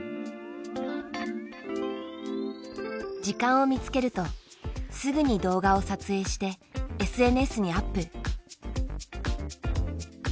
時間を見つけるとすぐに動画を撮影してＳＮＳにアップ。